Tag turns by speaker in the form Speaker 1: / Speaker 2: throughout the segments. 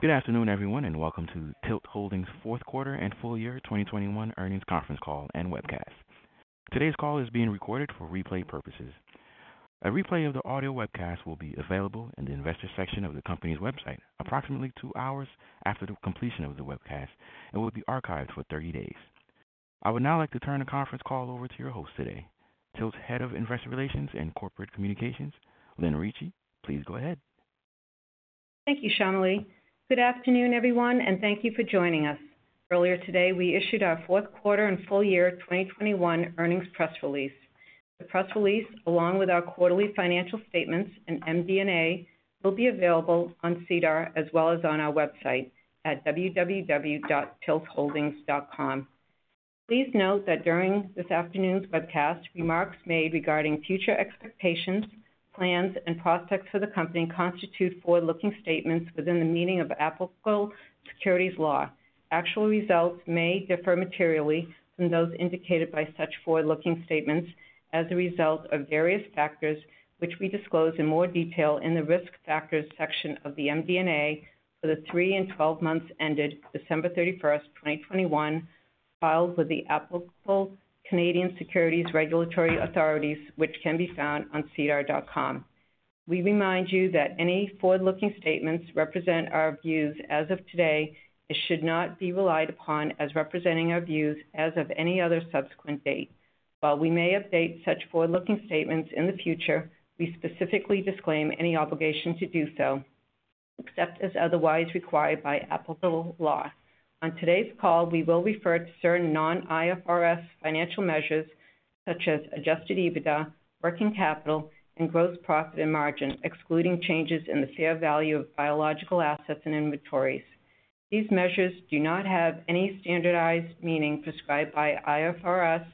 Speaker 1: Good afternoon, everyone, and welcome to TILT Holdings Q4 and full-year 2021 earnings conference call and webcast. Today's call is being recorded for replay purposes. A replay of the audio webcast will be available in the investor section of the company's website approximately two hours after the completion of the webcast and will be archived for 30 days. I would now like to turn the conference call over to your host today, TILT's Head of Investor Relations and Corporate Communications, Lynn Ricci. Please go ahead.
Speaker 2: Thank you, Shamaali. Good afternoon, everyone, and thank you for joining us. Earlier today, we issued our Q4 and full-year 2021 earnings press release. The press release, along with our quarterly financial statements and MD&A, will be available on SEDAR as well as on our website at www.tiltholdings.com. Please note that during this afternoon's webcast, remarks made regarding future expectations, plans, and prospects for the company constitute forward-looking statements within the meaning of applicable securities law. Actual results may differ materially from those indicated by such forward-looking statements as a result of various factors, which we disclose in more detail in the Risk Factors section of the MD&A for the three and 12 months ended December 31, 2021, filed with the applicable Canadian securities regulatory authorities, which can be found on sedar.com. We remind you that any forward-looking statements represent our views as of today and should not be relied upon as representing our views as of any other subsequent date. While we may update such forward-looking statements in the future, we specifically disclaim any obligation to do so except as otherwise required by applicable law. On today's call, we will refer to certain non-IFRS financial measures, such as adjusted EBITDA, working capital, and gross profit and margin, excluding changes in the fair value of biological assets and inventories. These measures do not have any standardized meaning prescribed by IFRS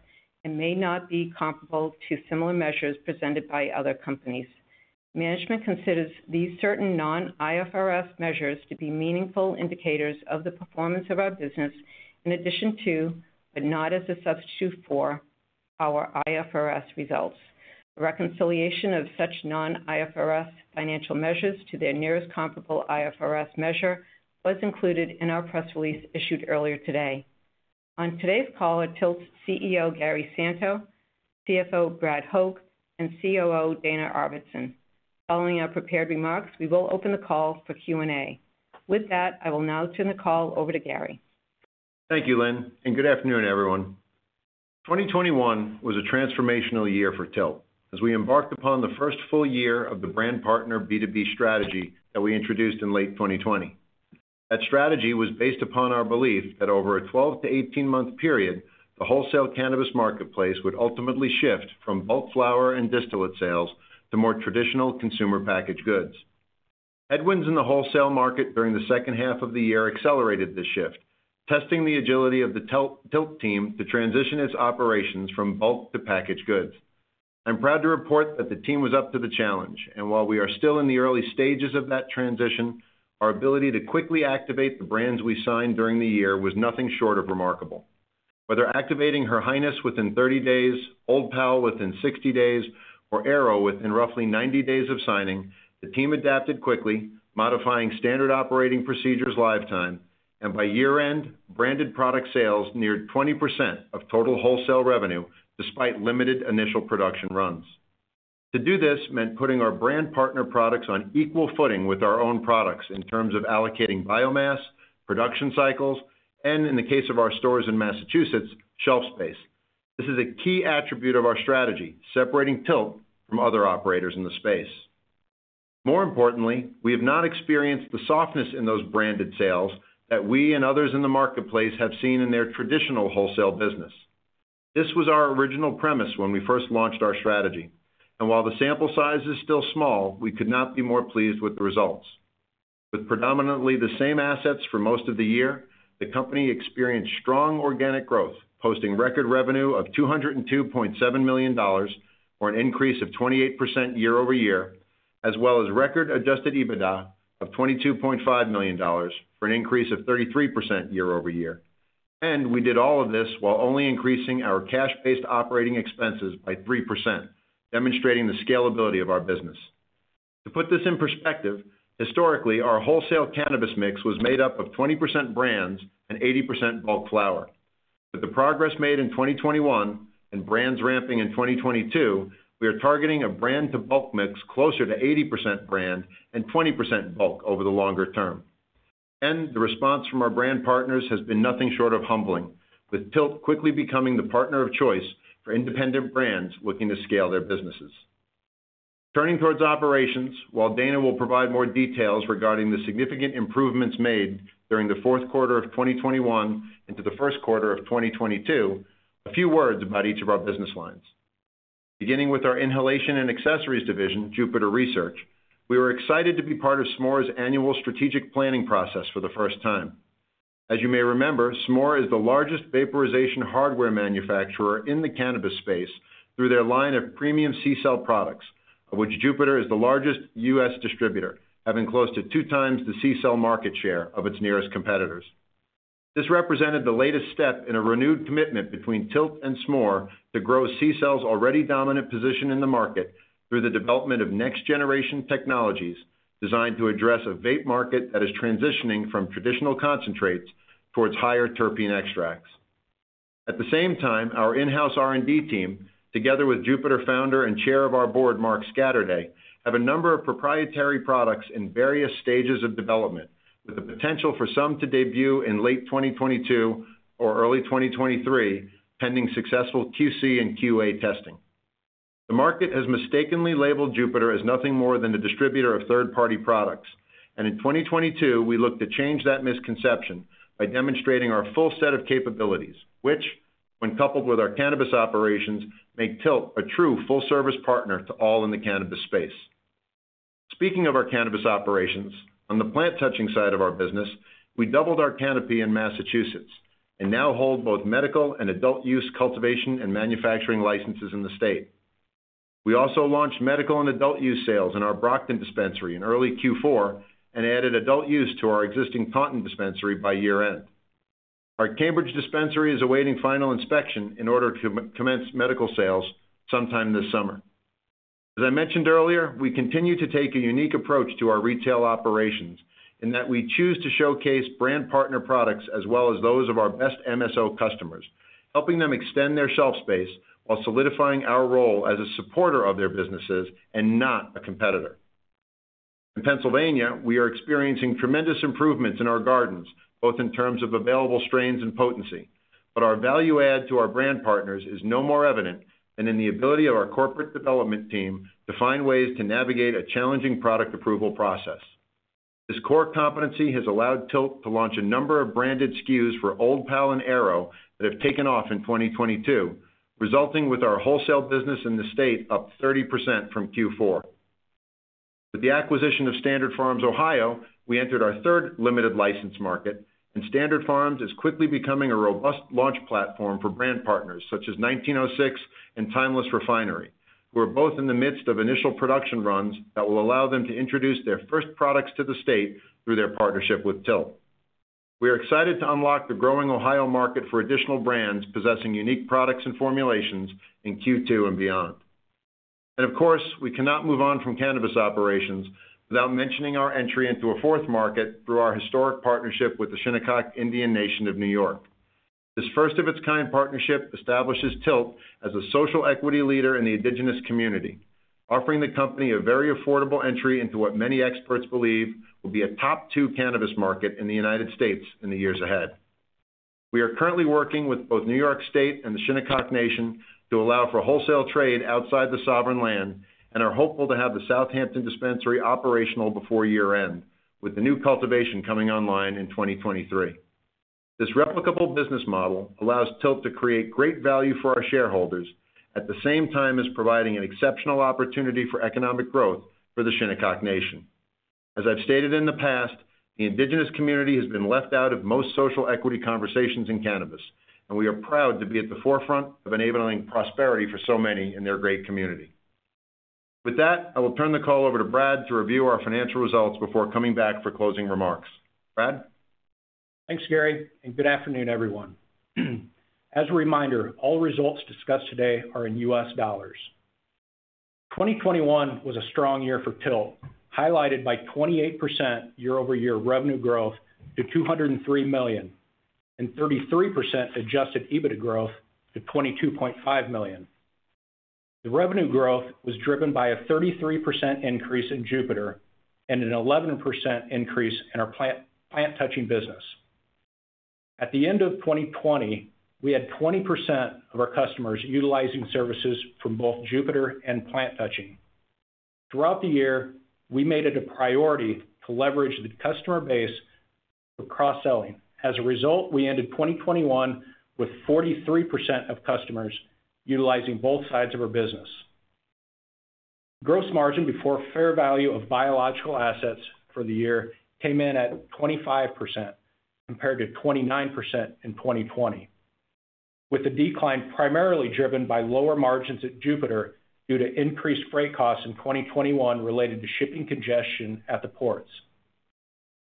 Speaker 2: and may not be comparable to similar measures presented by other companies. Management considers these certain non-IFRS measures to be meaningful indicators of the performance of our business in addition to, but not as a substitute for, our IFRS results. A reconciliation of such non-IFRS financial measures to their nearest comparable IFRS measure was included in our press release issued earlier today. On today's call are TILT's CEO, Gary Santo, CFO, Brad Hoke, and COO, Dana Arvidson. Following our prepared remarks, we will open the call for Q&A. With that, I will now turn the call over to Gary.
Speaker 3: Thank you, Lynn, and good afternoon, everyone. 2021 was a transformational year for Tilt as we embarked upon the first full year of the brand partner B2B strategy that we introduced in late 2020. That strategy was based upon our belief that over a 12- to 18-month period, the wholesale cannabis marketplace would ultimately shift from bulk flower and distillate sales to more traditional consumer packaged goods. Headwinds in the wholesale market during the second half of the year accelerated this shift, testing the agility of the Tilt team to transition its operations from bulk to packaged goods. I'm proud to report that the team was up to the challenge, and while we are still in the early stages of that transition, our ability to quickly activate the brands we signed during the year was nothing short of remarkable. Whether activating Her Highness within 30 days, Old Pal within 60 days, or AIRO within roughly 90 days of signing, the team adapted quickly, modifying standard operating procedures in real time, and by year-end, branded product sales neared 20% of total wholesale revenue despite limited initial production runs. To do this meant putting our brand partner products on equal footing with our own products in terms of allocating biomass, production cycles, and in the case of our stores in Massachusetts, shelf space. This is a key attribute of our strategy, separating TILT from other operators in the space. More importantly, we have not experienced the softness in those branded sales that we and others in the marketplace have seen in their traditional wholesale business. This was our original premise when we first launched our strategy, and while the sample size is still small, we could not be more pleased with the results. With predominantly the same assets for most of the year, the company experienced strong organic growth, posting record revenue of $202.7 million, or an increase of 28% year-over-year, as well as record adjusted EBITDA of $22.5 million, for an increase of 33% year-over-year. We did all of this while only increasing our cash-based operating expenses by 3%, demonstrating the scalability of our business. To put this in perspective, historically, our wholesale cannabis mix was made up of 20% brands and 80% bulk flower. With the progress made in 2021 and brands ramping in 2022, we are targeting a brand-to-bulk mix closer to 80% brand and 20% bulk over the longer term. The response from our brand partners has been nothing short of humbling, with TILT quickly becoming the partner of choice for independent brands looking to scale their businesses. Turning towards operations, while Dana will provide more details regarding the significant improvements made during the Q4 2021 into the Q1 2022, a few words about each of our business lines. Beginning with our inhalation and accessories division, Jupiter Research, we were excited to be part of Smoore's annual strategic planning process for the first time. As you may remember, Smoore is the largest vaporization hardware manufacturer in the cannabis space through their line of premium CCELL products, of which Jupiter is the largest U.S. distributor, having close to two times the CCELL market share of its nearest competitors. This represented the latest step in a renewed commitment between TILT and Smoore to grow CCELL's already dominant position in the market through the development of next generation technologies designed to address a vape market that is transitioning from traditional concentrates towards higher terpene extracts. At the same time, our in-house R&D team, together with Jupiter founder and Chair of our board, Mark Scatterday, have a number of proprietary products in various stages of development, with the potential for some to debut in late 2022 or early 2023, pending successful QC and QA testing. The market has mistakenly labeled Jupiter as nothing more than a distributor of third-party products, and in 2022, we look to change that misconception by demonstrating our full set of capabilities, which, when coupled with our cannabis operations, make Tilt a true full-service partner to all in the cannabis space. Speaking of our cannabis operations, on the plant touching side of our business, we doubled our canopy in Massachusetts and now hold both medical and adult use cultivation and manufacturing licenses in the state. We also launched medical and adult use sales in our Brockton dispensary in early Q4 and added adult use to our existing Taunton dispensary by year-end. Our Cambridge dispensary is awaiting final inspection in order to commence medical sales sometime this summer. As I mentioned earlier, we continue to take a unique approach to our retail operations in that we choose to showcase brand partner products as well as those of our best MSO customers, helping them extend their shelf space while solidifying our role as a supporter of their businesses and not a competitor. In Pennsylvania, we are experiencing tremendous improvements in our gardens, both in terms of available strains and potency. Our value add to our brand partners is no more evident than in the ability of our corporate development team to find ways to navigate a challenging product approval process. This core competency has allowed TILT to launch a number of branded SKUs for Old Pal and AIRO that have taken off in 2022, resulting with our wholesale business in the state up 30% from Q4. With the acquisition of Standard Farms Ohio, we entered our third limited license market, and Standard Farms is quickly becoming a robust launch platform for brand partners such as 1906 and Timeless Refinery, who are both in the midst of initial production runs that will allow them to introduce their first products to the state through their partnership with TILT. We are excited to unlock the growing Ohio market for additional brands possessing unique products and formulations in Q2 and beyond. Of course, we cannot move on from cannabis operations without mentioning our entry into a fourth market through our historic partnership with the Shinnecock Indian Nation of New York. This first of its kind partnership establishes TILT as a social equity leader in the indigenous community, offering the company a very affordable entry into what many experts believe will be a top two cannabis market in the United States in the years ahead. We are currently working with both New York State and the Shinnecock Indian Nation to allow for wholesale trade outside the sovereign land and are hopeful to have the Southampton Dispensary operational before year-end, with the new cultivation coming online in 2023. This replicable business model allows TILT to create great value for our shareholders at the same time as providing an exceptional opportunity for economic growth for the Shinnecock Indian Nation. As I've stated in the past, the indigenous community has been left out of most social equity conversations in cannabis, and we are proud to be at the forefront of enabling prosperity for so many in their great community. With that, I will turn the call over to Brad to review our financial results before coming back for closing remarks. Brad?
Speaker 4: Thanks, Gary, and good afternoon, everyone. As a reminder, all results discussed today are in U.S. dollars. 2021 was a strong year for TILT, highlighted by 28% year-over-year revenue growth to $203 million and 33% adjusted EBITDA growth to $22.5 million. The revenue growth was driven by a 33% increase in Jupiter and an 11% increase in our plant-touching business. At the end of 2020, we had 20% of our customers utilizing services from both Jupiter and plant-touching. Throughout the year, we made it a priority to leverage the customer base for cross-selling. As a result, we ended 2021 with 43% of customers utilizing both sides of our business. Gross margin before fair value of biological assets for the year came in at 25% compared to 29% in 2020, with the decline primarily driven by lower margins at Jupiter due to increased freight costs in 2021 related to shipping congestion at the ports.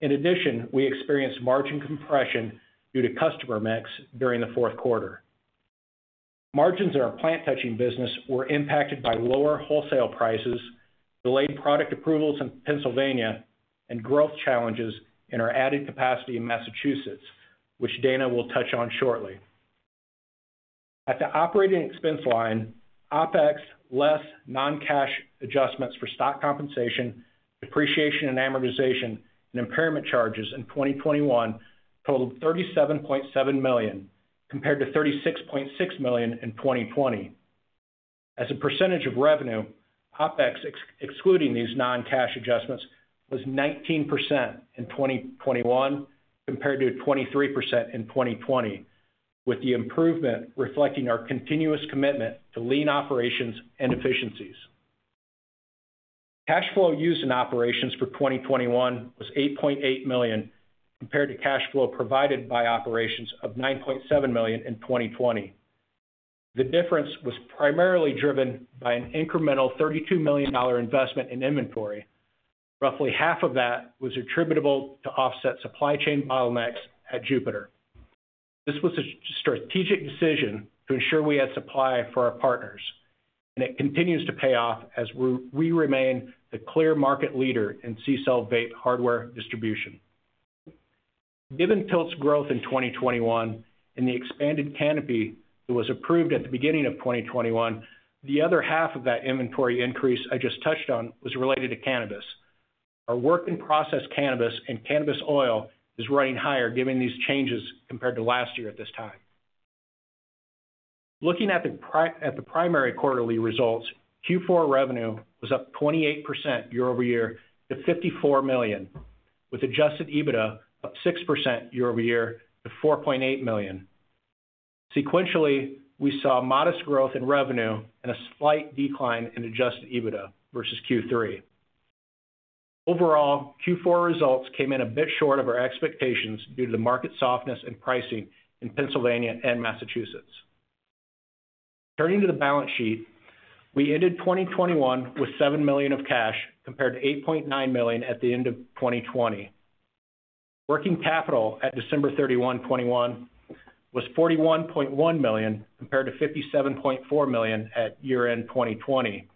Speaker 4: In addition, we experienced margin compression due to customer mix during the fourth quarter. Margins in our plant touching business were impacted by lower wholesale prices, delayed product approvals in Pennsylvania, and growth challenges in our added capacity in Massachusetts, which Dana will touch on shortly. At the operating expense line, OpEx less non-cash adjustments for stock compensation, depreciation and amortization, and impairment charges in 2021 totaled $37.7 million compared to $36.6 million in 2020. As a percentage of revenue, OpEx excluding these non-cash adjustments was 19% in 2021 compared to 23% in 2020, with the improvement reflecting our continuous commitment to lean operations and efficiencies. Cash flow used in operations for 2021 was $8.8 million compared to cash flow provided by operations of $9.7 million in 2020. The difference was primarily driven by an incremental $32 million investment in inventory. Roughly half of that was attributable to offset supply chain bottlenecks at Jupiter. This was a strategic decision to ensure we had supply for our partners, and it continues to pay off as we remain the clear market leader in CCELL vape hardware distribution. Given TILT's growth in 2021 and the expanded canopy that was approved at the beginning of 2021, the other half of that inventory increase I just touched on was related to cannabis. Our work in process cannabis and cannabis oil is running higher given these changes compared to last year at this time. Looking at the primary quarterly results, Q4 revenue was up 28% year-over-year to $54 million, with adjusted EBITDA up 6% year-over-year to $4.8 million. Sequentially, we saw modest growth in revenue and a slight decline in adjusted EBITDA versus Q3. Overall, Q4 results came in a bit short of our expectations due to the market softness and pricing in Pennsylvania and Massachusetts. Turning to the balance sheet, we ended 2021 with $7 million of cash compared to $8.9 million at the end of 2020. Working capital at December 31, 2021 was $41.1 million compared to $57.4 million at year-end 2020,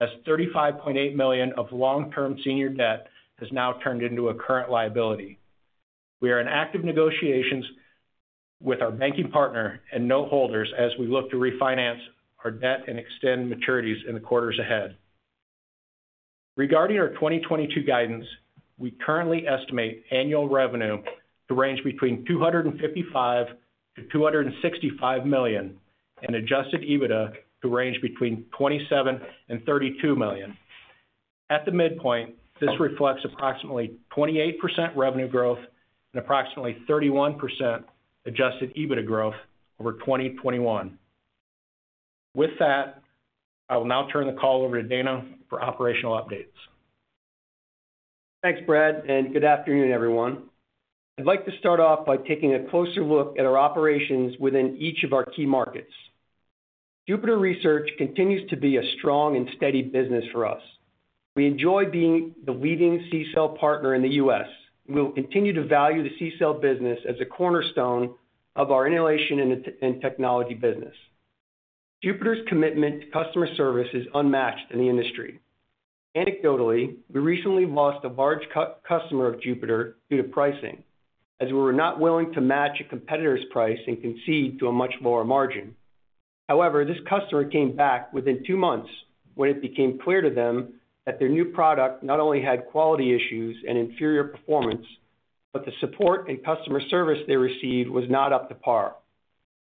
Speaker 4: as $35.8 million of long-term senior debt has now turned into a current liability. We are in active negotiations with our banking partner and note holders as we look to refinance our debt and extend maturities in the quarters ahead. Regarding our 2022 guidance, we currently estimate annual revenue to range between $255-$265 million, and adjusted EBITDA to range between $27 million to $32 million. At the midpoint, this reflects approximately 28% revenue growth and approximately 31% adjusted EBITDA growth over 2021. With that, I will now turn the call over to Dana for operational updates.
Speaker 5: Thanks, Brad, and good afternoon, everyone. I'd like to start off by taking a closer look at our operations within each of our key markets. Jupiter Research continues to be a strong and steady business for us. We enjoy being the leading CCELL partner in the U.S., and we'll continue to value the CCELL business as a cornerstone of our inhalation and technology business. Jupiter's commitment to customer service is unmatched in the industry. Anecdotally, we recently lost a large customer of Jupiter due to pricing, as we were not willing to match a competitor's price and concede to a much lower margin. However, this customer came back within two months when it became clear to them that their new product not only had quality issues and inferior performance, but the support and customer service they received was not up to par.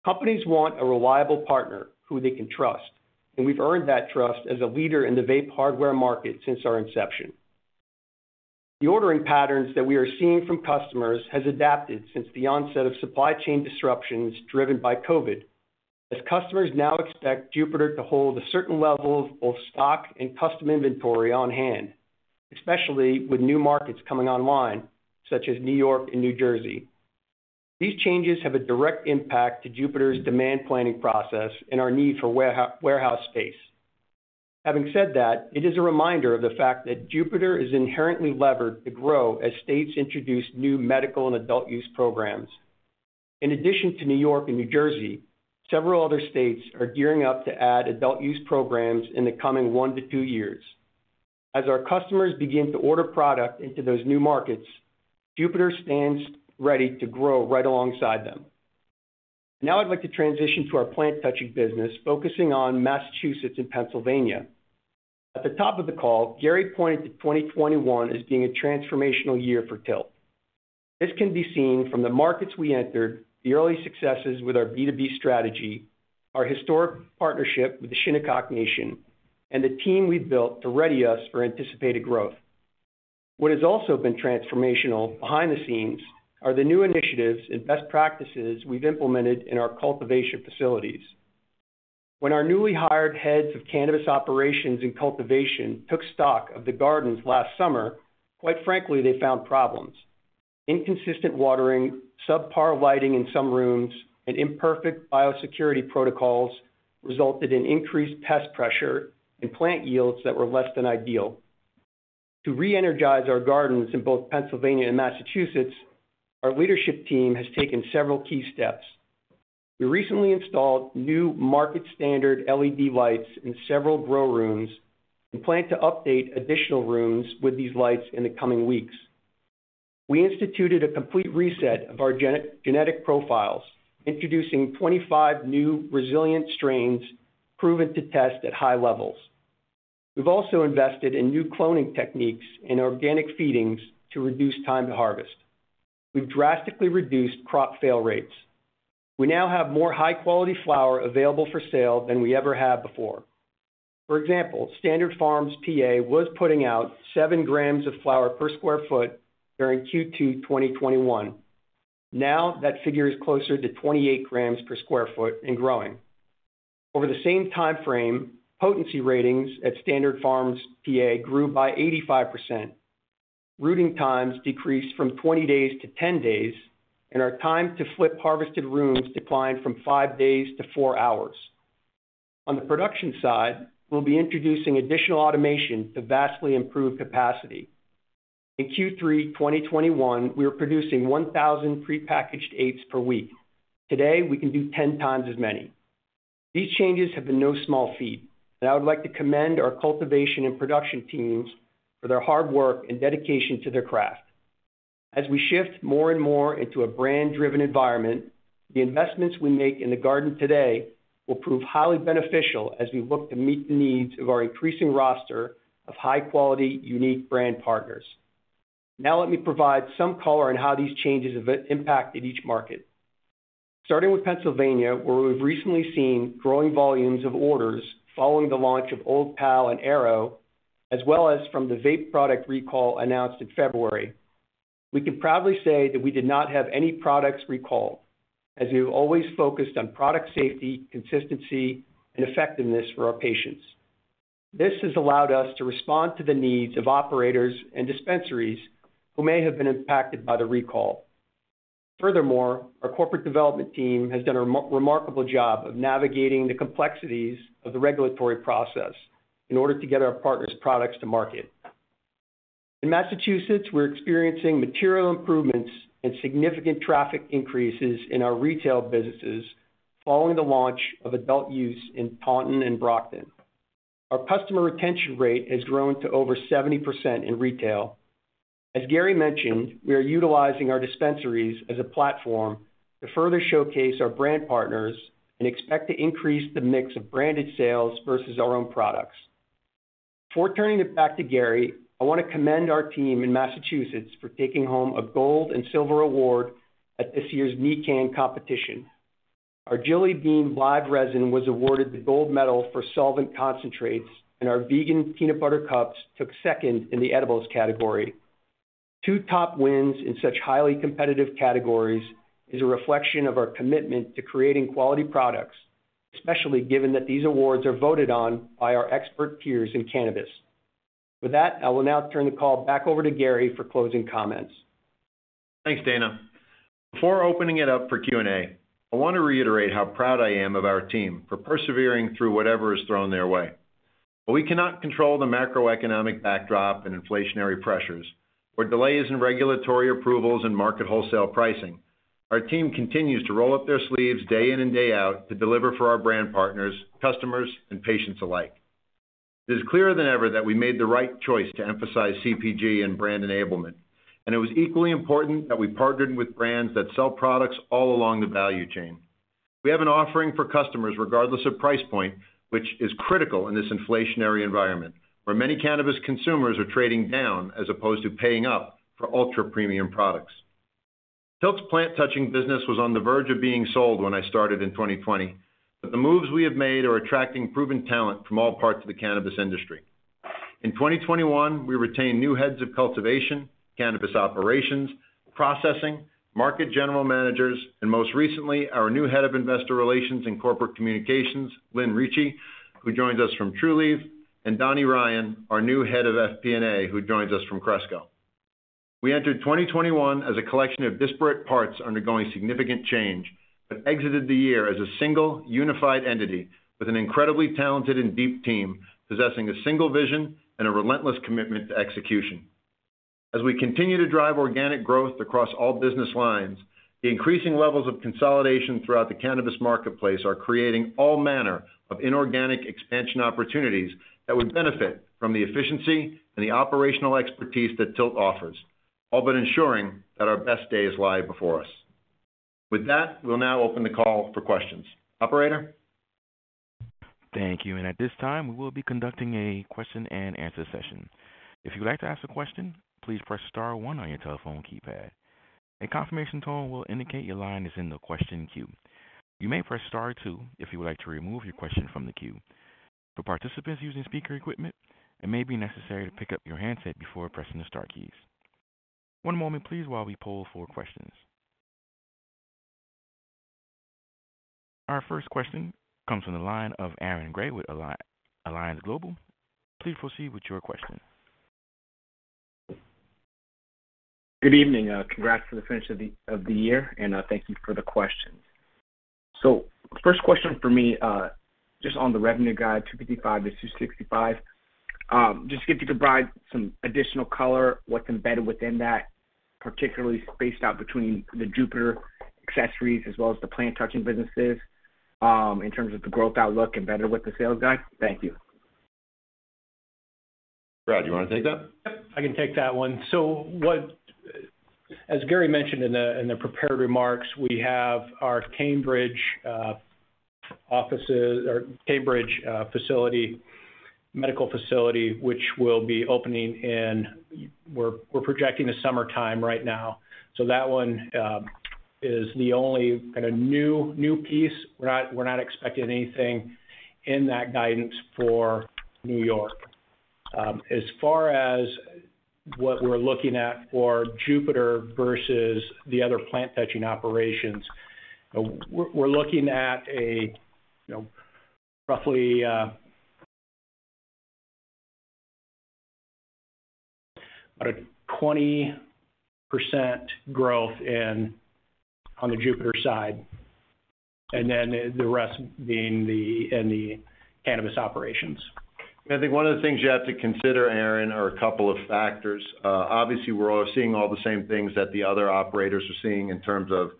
Speaker 5: Companies want a reliable partner who they can trust, and we've earned that trust as a leader in the vape hardware market since our inception. The ordering patterns that we are seeing from customers has adapted since the onset of supply chain disruptions driven by COVID-19, as customers now expect Jupiter to hold a certain level of both stock and custom inventory on-hand, especially with new markets coming online, such as New York and New Jersey. These changes have a direct impact to Jupiter's demand planning process and our need for warehouse space. Having said that, it is a reminder of the fact that Jupiter is inherently levered to grow as states introduce new medical and adult use programs. In addition to New York and New Jersey, several other states are gearing up to add adult use programs in the coming one to two years. As our customers begin to order product into those new markets, Jupiter stands ready to grow right alongside them. Now I'd like to transition to our plant touching business, focusing on Massachusetts and Pennsylvania. At the top of the call, Gary pointed to 2021 as being a transformational year for TILT. This can be seen from the markets we entered, the early successes with our B2B strategy, our historic partnership with the Shinnecock Nation, and the team we've built to ready us for anticipated growth. What has also been transformational behind the scenes are the new initiatives and best practices we've implemented in our cultivation facilities. When our newly hired heads of cannabis operations and cultivation took stock of the gardens last summer, quite frankly, they found problems. Inconsistent watering, subpar lighting in some rooms, and imperfect biosecurity protocols resulted in increased pest pressure and plant yields that were less than ideal. To re-energize our gardens in both Pennsylvania and Massachusetts, our leadership team has taken several key steps. We recently installed new market-standard LED lights in several grow rooms and plan to update additional rooms with these lights in the coming weeks. We instituted a complete reset of our gene-genetic profiles, introducing 25 new resilient strains proven to test at high levels. We've also invested in new cloning techniques and organic feedings to reduce time to harvest. We've drastically reduced crop fail rates. We now have more high-quality flower available for sale than we ever have before. For example, Standard Farms PA was putting out seven grams per square foot during Q2 2021. Now, that figure is closer to 28 grams per square foot and growing. Over the same time frame, potency ratings at Standard Farms PA grew by 85%. Rooting times decreased from 20 days to 10 days, and our time to flip harvested rooms declined from five days to four hours. On the production side, we'll be introducing additional automation to vastly improve capacity. In Q3 2021, we were producing 1,000 prepackaged vapes per week. Today, we can do 10 times as many. These changes have been no small feat, and I would like to commend our cultivation and production teams for their hard work and dedication to their craft. As we shift more and more into a brand-driven environment, the investments we make in the garden today will prove highly beneficial as we look to meet the needs of our increasing roster of high-quality, unique brand partners. Now let me provide some color on how these changes have impacted each market. Starting with Pennsylvania, where we've recently seen growing volumes of orders following the launch of Old Pal and AIRO, as well as from the vape product recall announced in February. We can proudly say that we did not have any products recalled, as we've always focused on product safety, consistency, and effectiveness for our patients. This has allowed us to respond to the needs of operators and dispensaries who may have been impacted by the recall. Furthermore, our corporate development team has done a remarkable job of navigating the complexities of the regulatory process in order to get our partners products to market. In Massachusetts, we're experiencing material improvements and significant traffic increases in our retail businesses following the launch of adult use in Taunton and Brockton. Our customer retention rate has grown to over 70% in retail. As Gary mentioned, we are utilizing our dispensaries as a platform to further showcase our brand partners and expect to increase the mix of branded sales versus our own products. Before turning it back to Gary, I want to commend our team in Massachusetts for taking home a gold and silver award at this year's NECANN competition. Our Jelly Bean live resin was awarded the gold medal for solvent concentrates, and our vegan peanut butter cups took second in the edibles category. Two top wins in such highly competitive categories is a reflection of our commitment to creating quality products, especially given that these awards are voted on by our expert peers in cannabis. With that, I will now turn the call back over to Gary for closing comments.
Speaker 3: Thanks, Dana. Before opening it up for Q&A, I want to reiterate how proud I am of our team for persevering through whatever is thrown their way. While we cannot control the macroeconomic backdrop and inflationary pressures or delays in regulatory approvals and market wholesale pricing, our team continues to roll up their sleeves day in and day out to deliver for our brand partners, customers, and patients alike. It is clearer than ever that we made the right choice to emphasize CPG and brand enablement, and it was equally important that we partnered with brands that sell products all along the value chain. We have an offering for customers regardless of price point, which is critical in this inflationary environment, where many cannabis consumers are trading down as opposed to paying up for ultra-premium products. TILT's plant touching business was on the verge of being sold when I started in 2020, but the moves we have made are attracting proven talent from all parts of the cannabis industry. In 2021, we retained new heads of cultivation, cannabis operations, processing, market general managers, and most recently, our new head of investor relations and corporate communications, Lynn Ricci, who joins us from Trulieve, and Donny Rion, our new head of FP&A, who joins us from Cresco. We entered 2021 as a collection of disparate parts undergoing significant change, but exited the year as a single unified entity with an incredibly talented and deep team possessing a single vision and a relentless commitment to execution. As we continue to drive organic growth across all business lines, the increasing levels of consolidation throughout the cannabis marketplace are creating all manner of inorganic expansion opportunities that would benefit from the efficiency and the operational expertise that TILT offers, all but ensuring that our best days lie before us. With that, we'll now open the call for questions. Operator?
Speaker 1: Thank you. At this time, we will be conducting a question-and-answer session. If you would like to ask a question, please press star one on your telephone keypad. A confirmation tone will indicate your line is in the question queue. You may press star two if you would like to remove your question from the queue. For participants using speaker equipment, it may be necessary to pick up your handset before pressing the star keys. One moment please while we poll for questions. Our first question comes from the line of Aaron Grey with Alliance Global Partners. Please proceed with your question.
Speaker 6: Good evening. Congrats for the finish of the year, and thank you for the questions. First question for me, just on the revenue guide, $255 million to $265 million. Just if you could provide some additional color, what's embedded within that, particularly spaced out between the Jupiter accessories as well as the plant touching businesses, in terms of the growth outlook and better with the sales guide. Thank you.
Speaker 3: Brad, you wanna take that?
Speaker 4: Yep, I can take that one. As Gary mentioned in the prepared remarks, we have our Cambridge offices or Cambridge facility, medical facility, which will be opening. We're projecting the summertime right now. That one is the only kind of new piece. We're not expecting anything in that guidance for New York. As far as what we're looking at for Jupiter versus the other plant touching operations, we're looking at, you know, roughly about a 20% growth on the Jupiter side, and then the rest being in the cannabis operations.
Speaker 3: I think one of the things you have to consider, Aaron, are a couple of factors. Obviously, we're all seeing all the same things that the other operators are seeing in terms of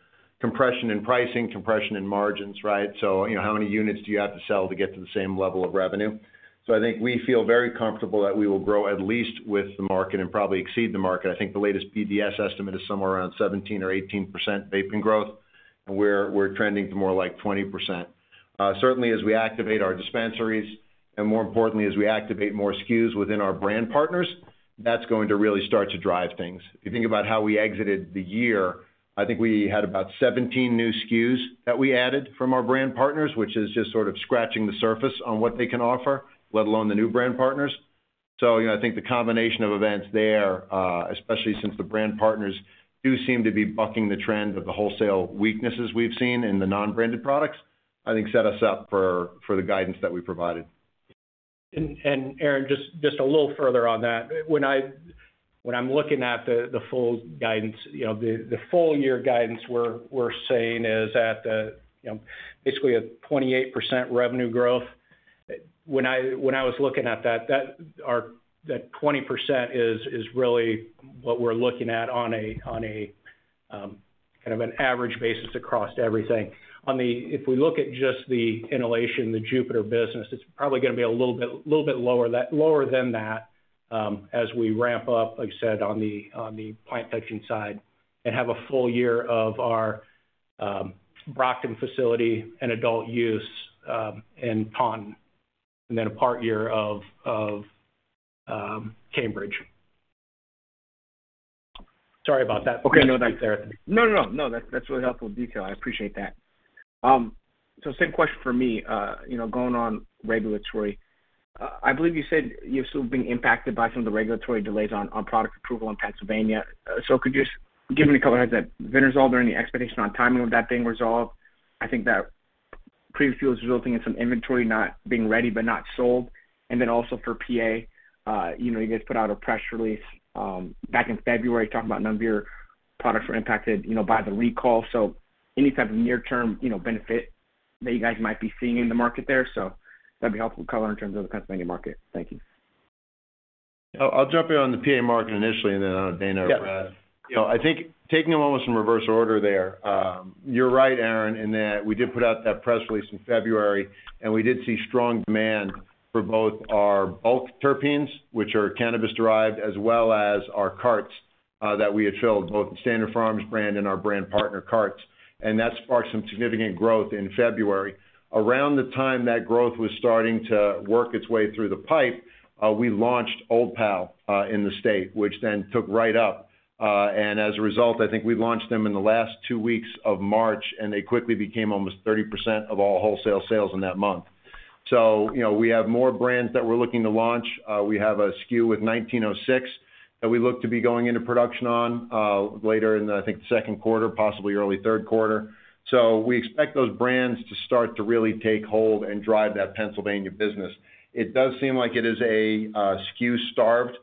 Speaker 3: compression in pricing, compression in margins, right? How many units do you have to sell to get to the same level of revenue? I think we feel very comfortable that we will grow at least with the market and probably exceed the market. I think the latest BDSA estimate is somewhere around 17% or 18% vaping growth, and we're trending to more like 20%. Certainly as we activate our dispensaries and more importantly, as we activate more SKUs within our brand partners, that's going to really start to drive things. If you think about how we exited the year, I think we had about 17 new SKUs that we added from our brand partners, which is just sort of scratching the surface on what they can offer, let alone the new brand partners. I think the combination of events there, especially since the brand partners do seem to be bucking the trend of the wholesale weaknesses we've seen in the non-branded products, I think set us up for the guidance that we provided.
Speaker 4: Aaron, just a little further on that. When I'm looking at the full guidance, the full-year guidance we're saying is at the, basically a 28% revenue growth. When I was looking at that, our 20% is really what we're looking at on a kind of an average basis across everything. If we look at just the inhalation, the Jupiter business, it's probably gonna be a little bit lower than that, as we ramp up, like I said, on the plant touching side and have a full-year of our Brockton facility and adult use in Taunton, and then a part year of Cambridge. Sorry about that.
Speaker 6: Okay. No, that's really helpful detail. I appreciate that. Same question for me, going on regulatory. I believe you said you're still being impacted by some of the regulatory delays on product approval in Pennsylvania. Could you just give me a color how that been resolved or any expectation on timing of that being resolved? I think that previous rule is resulting in some inventory not being ready but not sold. Then also for PA, you know, you guys put out a press release back in February talking about none of your products were impacted, you know, by the recall. Any type of near-term, you know, benefit that you guys might be seeing in the market there. That'd be helpful color in terms of the Pennsylvania market. Thank you.
Speaker 3: I'll jump in on the PA market initially, and then, Dana or Brad.
Speaker 6: Yeah.
Speaker 3: I think taking them almost in reverse order there, you're right, Aaron, in that we did put out that press release in February, and we did see strong demand for both our bulk terpenes, which are cannabis derived, as well as our carts, that we had filled, both the Standard Farms brand and our brand partner carts. That sparked some significant growth in February. Around the time that growth was starting to work its way through the pipeline, we launched Old Pal in the state, which then took right up. As a result, I think we launched them in the last two weeks of March, and they quickly became almost 30% of all wholesale sales in that month. You know, we have more brands that we're looking to launch. We have a SKU with 1906 that we look to be going into production on later in, I think, Q2, possibly early third quarter. We expect those brands to start to really take hold and drive that Pennsylvania business. It does seem like it is a SKU-starved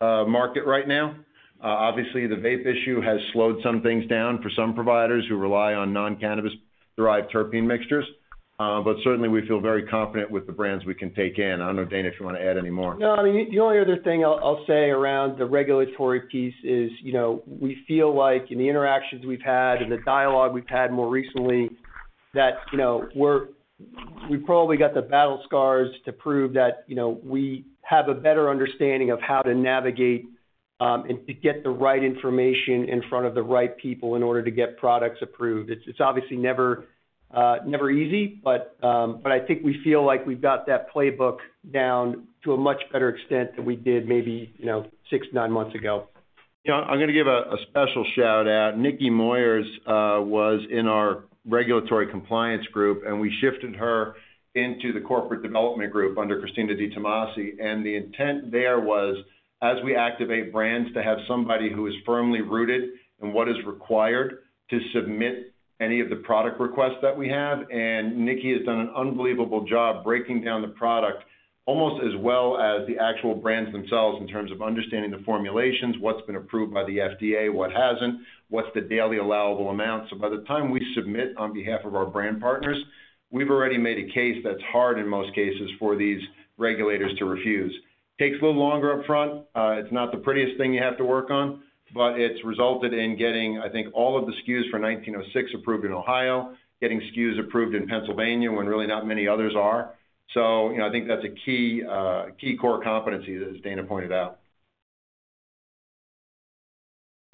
Speaker 3: market right now. Obviously, the vape issue has slowed some things down for some providers who rely on non-cannabis derived terpene mixtures. But certainly we feel very confident with the brands we can take in. I don't know, Dana, if you want to add any more.
Speaker 5: No. I mean, the only other thing I'll say around the regulatory piece is, we feel like in the interactions we've had and the dialogue we've had more recently that, we've probably got the battle scars to prove that, we have a better understanding of how to navigate and to get the right information in front of the right people in order to get products approved. It's obviously never easy, but I think we feel like we've got that playbook down to a much better extent than we did maybe, six and nine months ago.
Speaker 3: You know, I'm gonna give a special shout-out. Nicki Moyers was in our regulatory compliance group, and we shifted her into the corporate development group under Christina DiTomassi. The intent there was, as we activate brands, to have somebody who is firmly rooted in what is required to submit any of the product requests that we have. Nikki has done an unbelievable job breaking down the product almost as well as the actual brands themselves in terms of understanding the formulations, what's been approved by the FDA, what hasn't, what's the daily allowable amount. By the time we submit on behalf of our brand partners, we've already made a case that's hard in most cases for these regulators to refuse. Takes a little longer up front. It's not the prettiest thing you have to work on, but it's resulted in getting, I think, all of the SKUs for 1906 approved in Ohio, getting SKUs approved in Pennsylvania when really not many others are. You know, I think that's a key core competency, as Dana pointed out.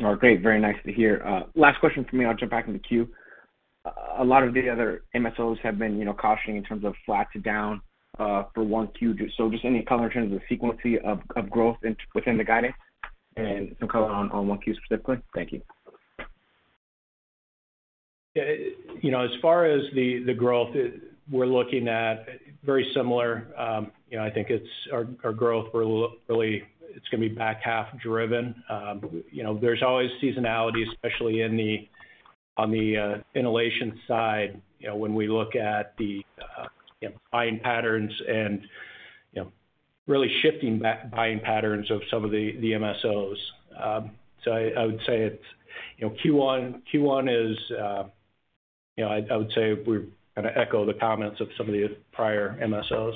Speaker 6: Oh, great. Very nice to hear. Last question for me, I'll jump back in the queue. A lot of the other MSOs have been, you know, cautioning in terms of flat to down for Q1. Just any color in terms of the frequency of growth within the guidance and some color on Q1 specifically? Thank you.
Speaker 4: Yeah, as far as the growth, we're looking at very similar, I think it's our growth we're really it's gonna be back half driven. There's always seasonality, especially in the
Speaker 5: On the inhalation side, when we look at the buying patterns and, you know, really shifting buying patterns of some of the MSOs. So I would say it's, Q1 is, I would say we're gonna echo the comments of some of the prior MSOs.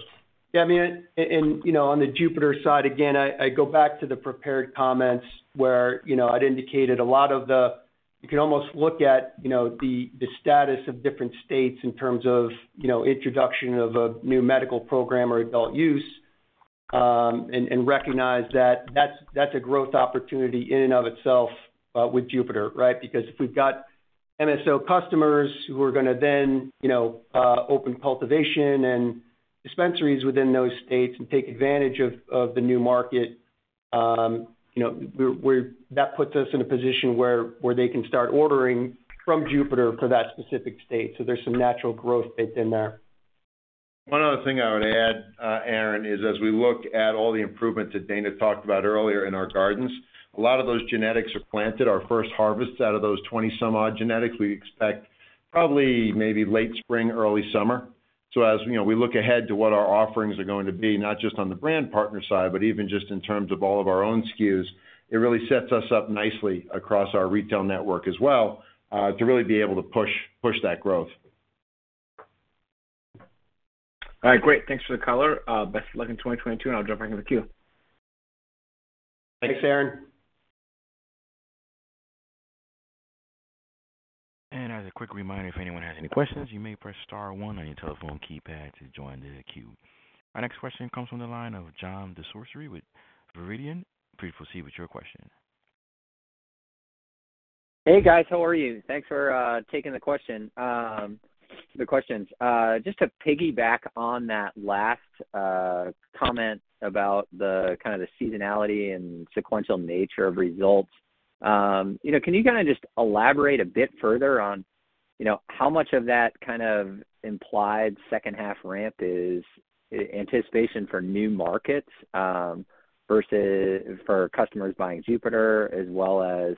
Speaker 5: Yeah, I mean, and, on the Jupiter side, again, I go back to the prepared comments where, you know, I'd indicated a lot of the. You can almost look at, the status of different states in terms of, you know, introduction of a new medical program or adult use, and recognize that that's a growth opportunity in and of itself with Jupiter, right? Because if we've got MSO customers who are gonna then, you know, open cultivation and dispensaries within those states and take advantage of the new market, that puts us in a position where they can start ordering from Jupiter for that specific state. There's some natural growth baked in there.
Speaker 3: One other thing I would add, Aaron, is as we look at all the improvements that Dana talked about earlier in our gardens, a lot of those genetics are planted. Our first harvest out of those 20-some-odd genetics, we expect probably maybe late spring, early summer. As, we look ahead to what our offerings are going to be, not just on the brand partner side, but even just in terms of all of our own SKUs, it really sets us up nicely across our retail network as well, to really be able to push that growth.
Speaker 6: All right, great. Thanks for the color. Best of luck in 2022, and I'll jump back in the queue.
Speaker 3: Thanks, Aaron.
Speaker 1: As a quick reminder, if anyone has any questions, you may press star one on your telephone keypad to join the queue. Our next question comes from the line of Jon DeCourcey with Viridian Capital Advisors. Please proceed with your question.
Speaker 7: Hey, guys. How are you? Thanks for taking the question, the questions. Just to piggyback on that last comment about the kind of seasonality and sequential nature of results, can you kind of just elaborate a bit further on, you know, how much of that kind of implied second half ramp is anticipation for new markets, versus for customers buying Jupiter, as well as,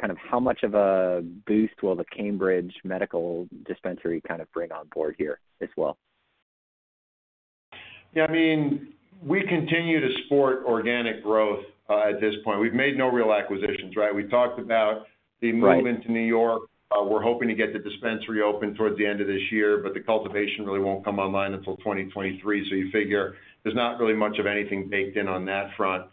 Speaker 7: kind of how much of a boost will the Cambridge Medical Dispensary kind of bring on board here as well?
Speaker 3: Yeah, I mean, we continue to support organic growth at this point. We've made no real acquisitions, right? We talked about the-
Speaker 7: Right.
Speaker 3: movement to New York. We're hoping to get the dispensary open towards the end of this year, but the cultivation really won't come online until 2023. You figure there's not really much of anything baked in on that front.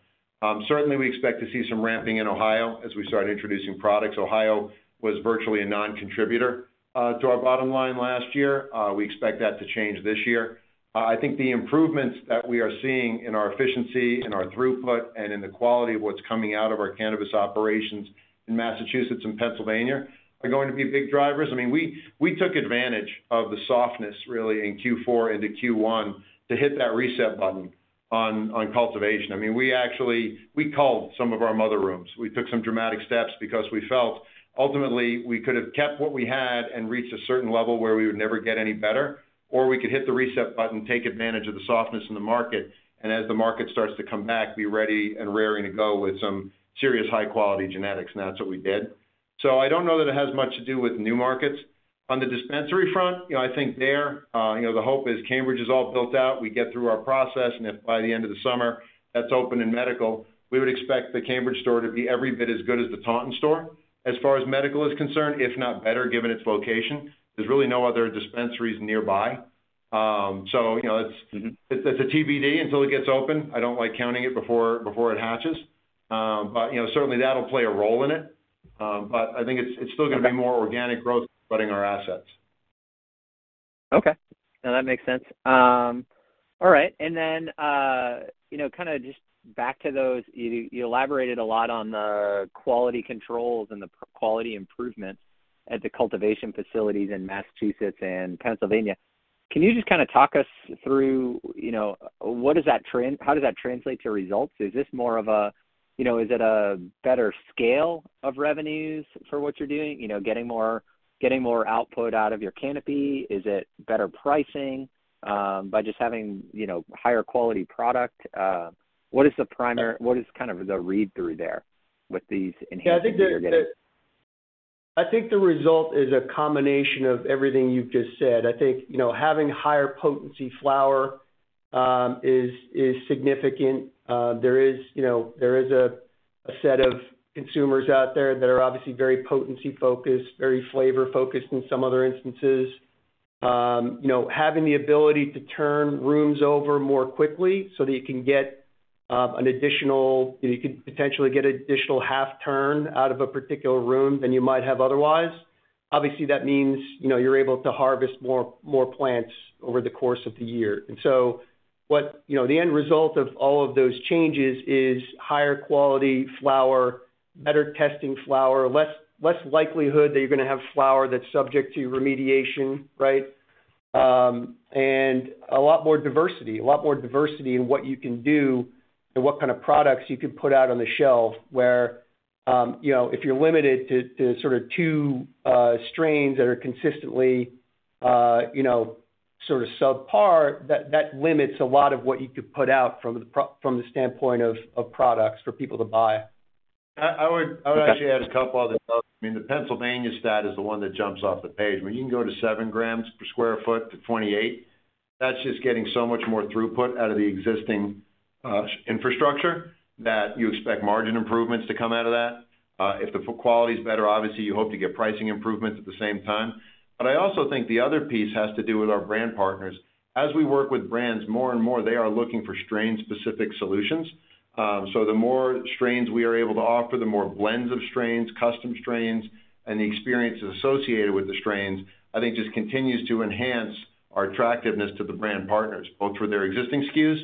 Speaker 3: Certainly, we expect to see some ramping in Ohio as we start introducing products. Ohio was virtually a non-contributor to our bottom line last year. We expect that to change this year. I think the improvements that we are seeing in our efficiency, in our throughput, and in the quality of what's coming out of our cannabis operations in Massachusetts and Pennsylvania are going to be big drivers. I mean, we took advantage of the softness really in Q4 into Q1 to hit that reset button on cultivation. I mean, we actually culled some of our mother rooms. We took some dramatic steps because we felt ultimately we could have kept what we had and reached a certain level where we would never get any better, or we could hit the reset button, take advantage of the softness in the market, and as the market starts to come back, be ready and raring to go with some serious high-quality genetics, and that's what we did. I don't know that it has much to do with new markets. On the dispensary front, you know, I think there, you know, the hope is Cambridge is all built out. We get through our process, and if by the end of the summer that's open in medical, we would expect the Cambridge store to be every bit as good as the Taunton store as far as medical is concerned, if not better, given its location. There's really no other dispensaries nearby. You know, it's
Speaker 7: Mm-hmm.
Speaker 3: It's a TBD until it gets open. I don't like counting it before it hatches. You know, certainly that'll play a role in it. I think it's still gonna be more organic growth running our assets.
Speaker 7: Okay. No, that makes sense. All right. Then, you know, kind of just back to those. You elaborated a lot on the quality controls and the quality improvements at the cultivation facilities in Massachusetts and Pennsylvania. Can you just kind of talk us through, you know, what does that trend, how does that translate to results? Is this more of a. You know, is it a better scale of revenues for what you're doing? You know, getting more output out of your canopy? Is it better pricing, by just having, you know, higher quality product? What is the primary, what is kind of the read-through there with these enhancements that you're getting?
Speaker 5: Yeah, I think the result is a combination of everything you've just said. I think you know, having higher potency flower is significant. There is you know, a set of consumers out there that are obviously very potency-focused, very flavor-focused in some other instances. You know, having the ability to turn rooms over more quickly so that you can get. You could potentially get an additional half turn out of a particular room than you might have otherwise. Obviously, that means you know, you're able to harvest more plants over the course of the year. You know, the end result of all of those changes is higher quality flower, better testing flower, less likelihood that you're gonna have flower that's subject to remediation, right? a lot more diversity in what you can do and what kind of products you can put out on the shelf. Where, you know, if you're limited to sort of two strains that are consistently, you know Sort of subpar, that limits a lot of what you could put out from the standpoint of products for people to buy.
Speaker 3: I would actually add a couple other notes. I mean, the Pennsylvania stat is the one that jumps off the page. When you can go to 7 grams per sq ft to 28, that's just getting so much more throughput out of the existing infrastructure that you expect margin improvements to come out of that. If the flower quality's better, obviously, you hope to get pricing improvements at the same time. I also think the other piece has to do with our brand partners. As we work with brands more and more, they are looking for strain-specific solutions. The more strains we are able to offer, the more blends of strains, custom strains, and the experiences associated with the strains, I think just continues to enhance our attractiveness to the brand partners, both for their existing SKUs,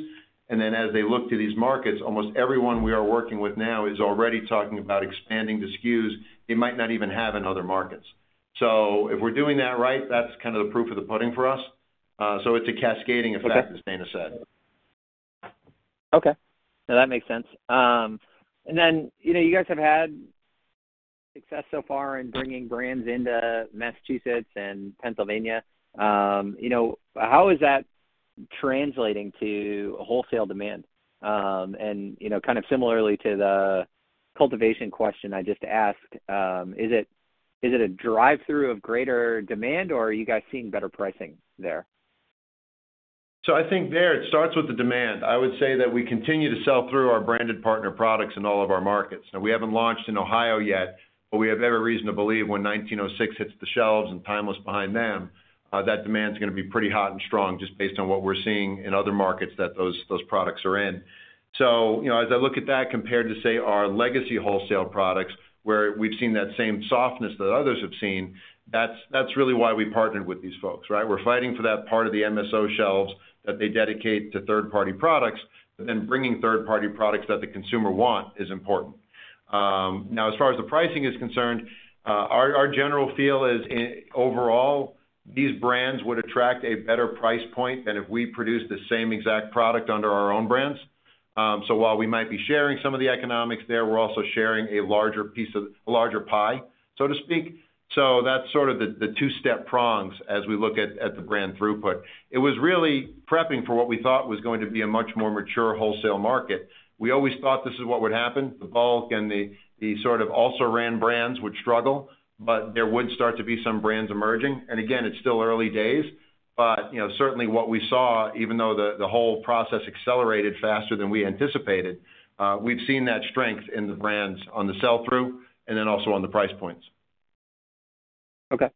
Speaker 3: and then as they look to these markets, almost everyone we are working with now is already talking about expanding the SKUs they might not even have in other markets. If we're doing that right, that's kind of the proof of the pudding for us. It's a cascading effect, as Dana said.
Speaker 7: Okay. No, that makes sense. You know, you guys have had success so far in bringing brands into Massachusetts and Pennsylvania, how is that translating to wholesale demand? You know, kind of similarly to the cultivation question I just asked, is it a driver of greater demand, or are you guys seeing better pricing there?
Speaker 3: I think there it starts with the demand. I would say that we continue to sell through our branded partner products in all of our markets. Now, we haven't launched in Ohio yet, but we have every reason to believe when 1906 hits the shelves and Timeless behind them, that demand's gonna be pretty hot and strong just based on what we're seeing in other markets that those products are in. You know, as I look at that compared to, say, our legacy wholesale products, where we've seen that same softness that others have seen, that's really why we partnered with these folks, right? We're fighting for that part of the MSO shelves that they dedicate to third-party products, but then bringing third-party products that the consumer want is important. Now as far as the pricing is concerned, our general feel is, in overall, these brands would attract a better price point than if we produce the same exact product under our own brands. While we might be sharing some of the economics there, we're also sharing a larger piece of a larger pie, so to speak. That's sort of the two-step prongs as we look at the brand throughput. It was really prepping for what we thought was going to be a much more mature wholesale market. We always thought this is what would happen, the bulk and the sort of also-ran brands would struggle, but there would start to be some brands emerging. Again, it's still early days, but, you know, certainly what we saw, even though the whole process accelerated faster than we anticipated, we've seen that strength in the brands on the sell-through and then also on the price points.
Speaker 7: Okay.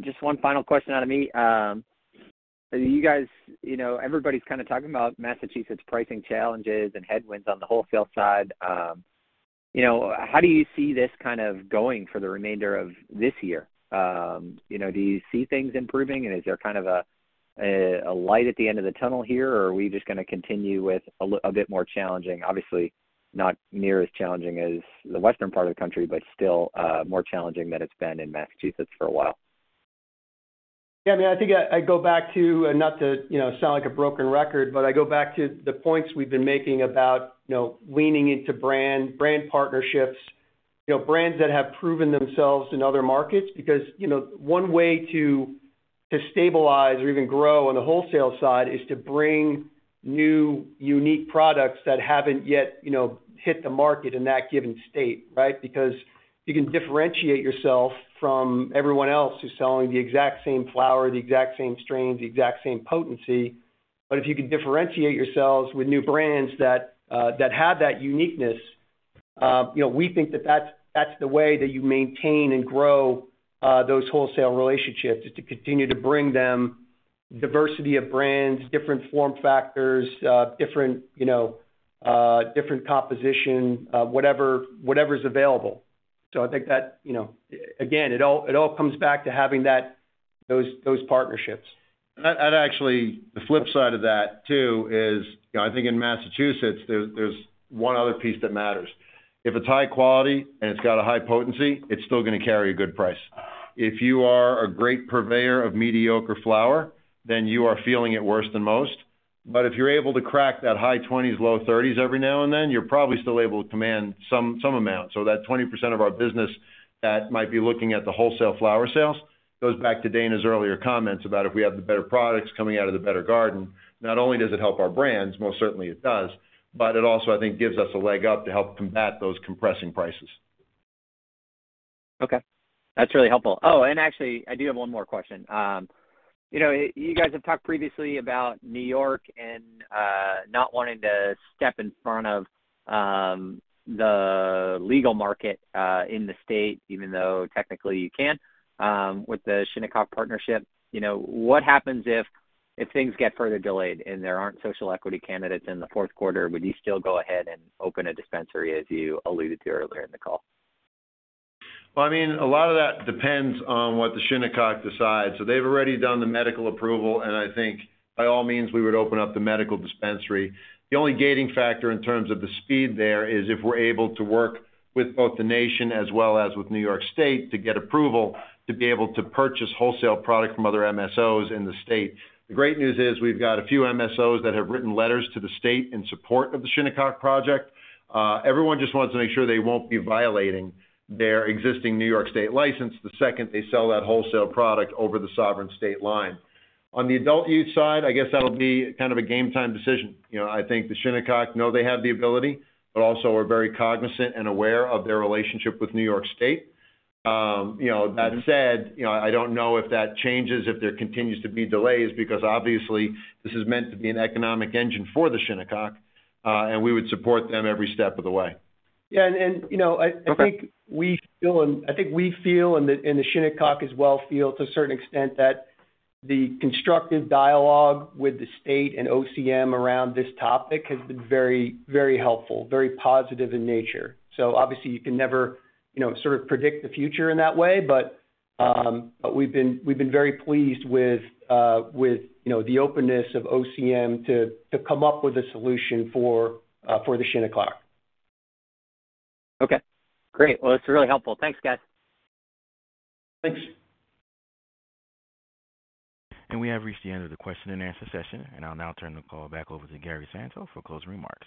Speaker 7: Just one final question out of me. You guys, everybody's kind of talking about Massachusetts' pricing challenges and headwinds on the wholesale side. You know, how do you see this kind of going for the remainder of this year? You know, do you see things improving, and is there kind of a light at the end of the tunnel here, or are we just gonna continue with a bit more challenging, obviously, not near as challenging as the western part of the country, but still, more challenging than it's been in Massachusetts for a while?
Speaker 5: Yeah, I mean, I think I go back to, and not to, you know, sound like a broken record, but I go back to the points we've been making about, you know, leaning into brand partnerships, you know, brands that have proven themselves in other markets. Because, you know, one way to stabilize or even grow on the wholesale side is to bring new, unique products that haven't yet, you know, hit the market in that given state, right? Because you can differentiate yourself from everyone else who's selling the exact same flower, the exact same strain, the exact same potency. If you can differentiate yourselves with new brands that have that uniqueness, you know, we think that's the way that you maintain and grow those wholesale relationships is to continue to bring them diversity of brands, different form factors, different, you know, different composition, whatever's available. I think that again, it all comes back to having those partnerships.
Speaker 3: I'd actually. The flip side of that too is, you know, I think in Massachusetts, there's one other piece that matters. If it's high quality and it's got a high potency, it's still gonna carry a good price. If you are a great purveyor of mediocre flower, then you are feeling it worse than most. If you're able to crack that high 20s, low 30s every now and then, you're probably still able to command some amount. That 20% of our business that might be looking at the wholesale flower sales goes back to Dana's earlier comments about if we have the better products coming out of the better garden, not only does it help our brands, most certainly it does, but it also, I think, gives us a leg up to help combat those compressing prices.
Speaker 7: Okay. That's really helpful. Oh, and actually, I do have one more question. You know, you guys have talked previously about New York and not wanting to step in front of the legal market in the state, even though technically you can with the Shinnecock partnership. You know, what happens if things get further delayed and there aren't social equity candidates in the fourth quarter? Would you still go ahead and open a dispensary, as you alluded to earlier in the call?
Speaker 3: Well, I mean, a lot of that depends on what the Shinnecock decides. They've already done the medical approval, and I think, by all means, we would open up the medical dispensary. The only gating factor in terms of the speed there is if we're able to work with both the nation as well as with New York State to get approval to be able to purchase wholesale product from other MSOs in the state. The great news is we've got a few MSOs that have written letters to the state in support of the Shinnecock project. Everyone just wants to make sure they won't be violating their existing New York State license the second they sell that wholesale product over the sovereign state line. On the adult use side, I guess that'll be kind of a game time decision. I think the Shinnecock know they have the ability, but also are very cognizant and aware of their relationship with New York State. You know, that said, I don't know if that changes if there continues to be delays because obviously, this is meant to be an economic engine for the Shinnecock, and we would support them every step of the way.
Speaker 5: Yeah, and you know, I think.
Speaker 7: Okay...
Speaker 5: we feel, and I think the Shinnecock as well feel to a certain extent that the constructive dialogue with the state and OCM around this topic has been very, very helpful, very positive in nature. Obviously, you can never, you know, sort of predict the future in that way, but we've been very pleased with, the openness of OCM to come up with a solution for the Shinnecock.
Speaker 7: Okay. Great. Well, it's really helpful. Thanks, guys.
Speaker 5: Thanks.
Speaker 1: We have reached the end of the question and answer session, and I'll now turn the call back over to Gary Santo for closing remarks.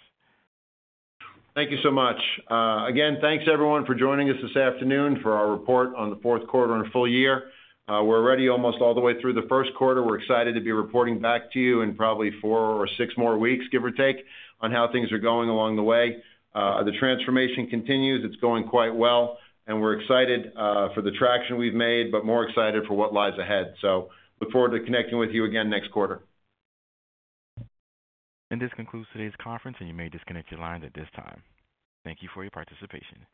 Speaker 3: Thank you so much. Again, thanks everyone for joining us this afternoon for our report on the fourth quarter and full year. We're already almost all the way through the Q1. We're excited to be reporting back to you in probably four or six more weeks, give or take, on how things are going along the way. The transformation continues. It's going quite well, and we're excited for the traction we've made, but more excited for what lies ahead. Look forward to connecting with you again next quarter.
Speaker 1: This concludes today's conference, and you may disconnect your lines at this time. Thank you for your participation.